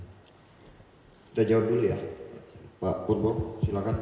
kita jawab dulu ya pak purwok silakan